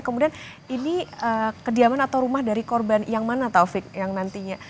kemudian ini kediaman atau rumah dari korban yang mana taufik yang nantinya